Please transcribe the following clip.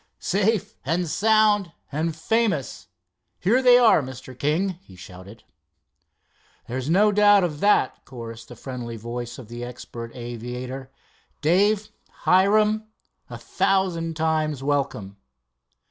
"Safe and sound and famous. Here they are, Mr. King!" he shouted. "There's no doubt of that," chorused the friendly voice of the expert aviator. "Dave! Hiram! A thousand times welcome."